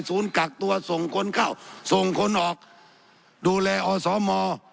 กักตัวส่งคนเข้าส่งคนออกดูแลอสม